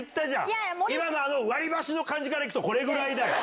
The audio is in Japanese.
今の割り箸の感じからいくとこれぐらいだよ。